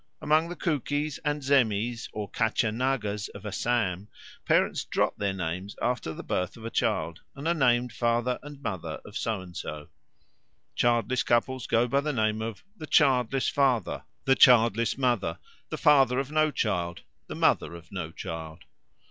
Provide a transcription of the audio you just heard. Among the Kukis and Zemis or Kacha Nagas of Assam parents drop their names after the birth of a child and are named Father and Mother of So and so. Childless couples go by the name of "the childless father," "the childless mother," "the father of no child," "the mother of no child."